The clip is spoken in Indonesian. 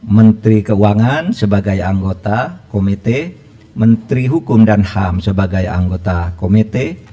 menteri keuangan sebagai anggota komite menteri hukum dan ham sebagai anggota komite